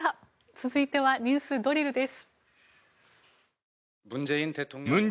続いては、ＮＥＷＳドリルです。